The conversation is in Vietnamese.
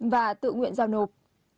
và tự nguyện giao nộp